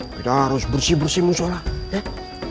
kita harus bersih bersih mau sholat ya